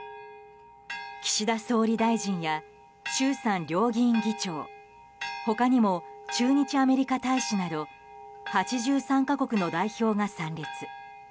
岸田総理大臣や衆参両議院議長他にも駐日アメリカ大使など８３か国の代表が参列。